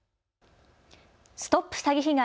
ＳＴＯＰ詐欺被害！